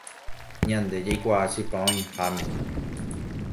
Ñande jaikuaa chipa oĩháme